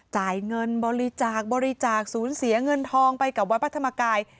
จ่ายเงินบริจาคบริจาคศูนย์เสียเงินทองไปกับวัดพระธรรมกาย